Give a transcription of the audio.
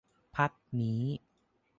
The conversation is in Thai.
พักนี้